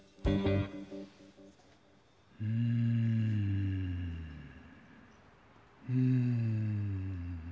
うんうん。